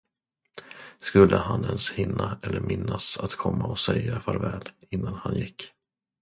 Skulle han ens hinna eller minnas att komma och säga farväl, innan han gick.